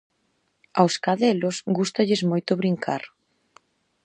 Aos cadelos gústalles moito brincar.